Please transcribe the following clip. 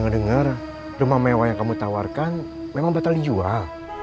saya dengar rumah mewah yang kamu tawarkan memang batal dijual